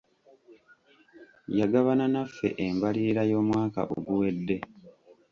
Yagabana naffe embalirira y'omwaka oguwedde.